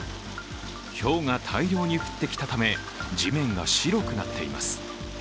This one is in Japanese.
ひょうが大量に降ってきたため、地面が白くなっています。